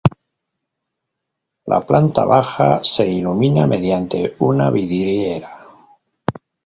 La planta baja se ilumina mediante una vidriera.